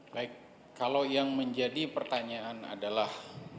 baik kalau yang menjadi pertanyaan adalah